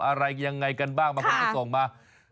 อะไรยังไงกันบ้างมาพิมพ์ส่งมา